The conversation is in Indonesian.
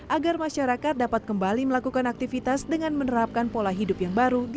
agar masyarakat dapat kembali melakukan aktivitas dengan menerapkan pola hidup yang baru